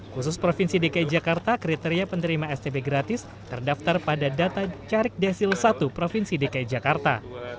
khusus provinsi dki jakarta kriteria penerima stb gratis terdaftar pada data carik desil satu provinsi dki jakarta